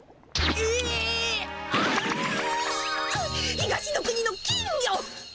東の国の金魚！